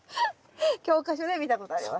教科書で見たことあります。